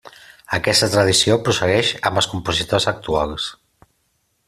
Aquesta tradició prossegueix amb els compositors actuals.